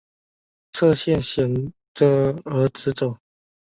侧线显着而直走。